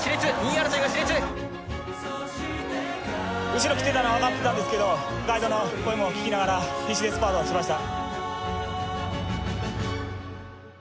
後ろきていたのは分かってたんですけどガイドの声も聞きながら必死でスパート走りました。